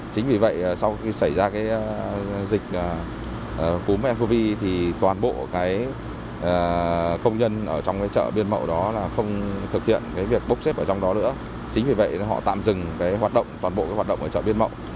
chính vì vậy họ tạm dừng toàn bộ hoạt động ở chợ biên mậu